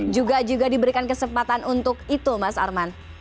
juga juga diberikan kesempatan untuk itu mas arman